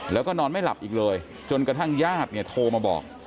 แล้วก็นอนไม่หลับอีกเลยจนกระทั่งญาติเนี่ยโทรมาบอก